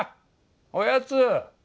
おやつ。